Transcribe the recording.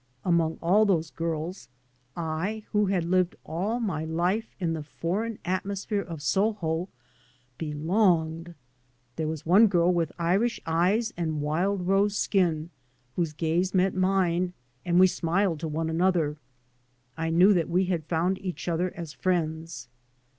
Among all those girls I, who had lived all my life in the foreign atmosphere of Soho — belonged I There was one girl with Irish eyes and wild rose skin whose gaze met mine, and we smiled to one another; I knew that we had found each other as friends.